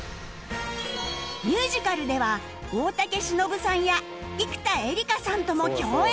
ミュージカルでは大竹しのぶさんや生田絵梨花さんとも共演